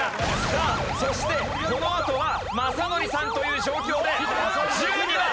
さあそしてこのあとは雅紀さんという状況で１２番１２番！